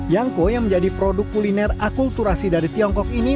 yangko yang menjadi produk kuliner akulturasi dari tiongkok ini